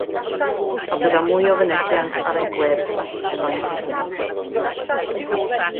A byddai mwy o fynegiant ar eu gwep pe baent heb iaith.